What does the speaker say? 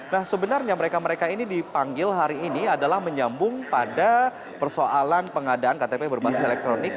nah sebenarnya mereka mereka ini dipanggil hari ini adalah menyambung pada persoalan pengadaan ktp berbasis elektronik